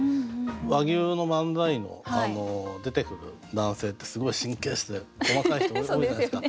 和牛の漫才の出てくる男性ってすごい神経質で細かい人多いじゃないですか。